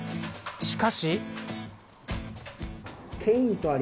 しかし。